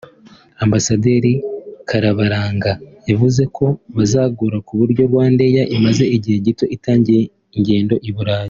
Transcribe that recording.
Ambasaderi Karabaranga yavuze ko bazagura ku buryo na RwandAir imaze igihe gito itangiye ingendo i Burayi